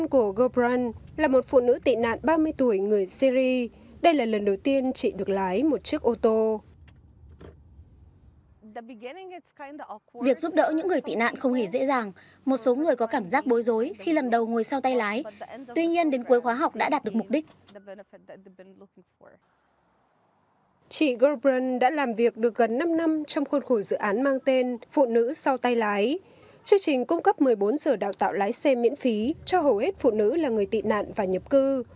cho hầu hết phụ nữ là người tị nạn và nhập cư